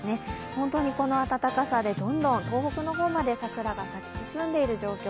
本当にこの暖かさで東北の方まで桜が咲き進んでいます。